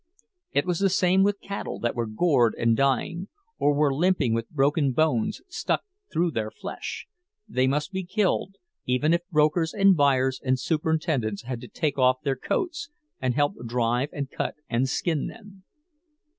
It was the same with cattle that were gored and dying, or were limping with broken bones stuck through their flesh—they must be killed, even if brokers and buyers and superintendents had to take off their coats and help drive and cut and skin them.